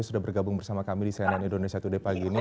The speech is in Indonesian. sudah bergabung bersama kami di cnn indonesia today pagi ini